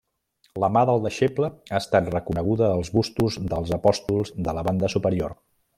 La mà del deixeble ha estat reconeguda als bustos dels apòstols de la banda superior.